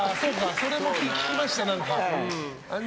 それも聞きました、何か。